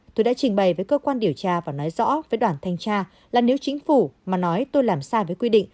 tôi đã trình bày với cơ quan điều tra và nói rõ với đoàn thanh tra là nếu chính phủ mà nói tôi làm sai với quy định